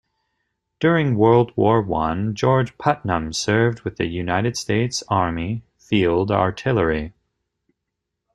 During World War One, George Putnam served with the United States Army field artillery.